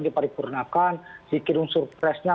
diperipurnakan dikirim surprise nya